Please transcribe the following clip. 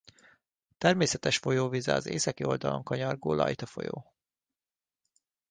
Természetes folyóvize az északi oldalon kanyargó Lajta folyó.